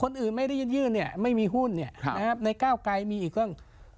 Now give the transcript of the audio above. คนอื่นไม่ได้ยื่นยื่นเนี้ยไม่มีหุ้นเนี้ยครับนะครับในก้าวไกลมีอีกตั้ง